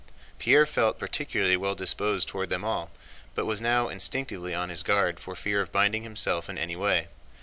Pierre felt particularly well disposed toward them all, but was now instinctively on his guard for fear of binding himself in any way.